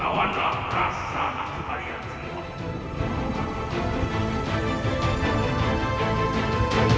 lawanlah perasaan kalian semua